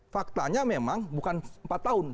faktanya memang bukan empat tahun